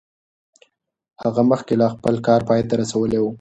هغه مخکې لا خپل کار پای ته رسولی و.